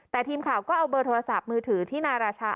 แต่ทีมข่าวก็เอาเบอร์โทรศัพท์มือถือที่นายราชา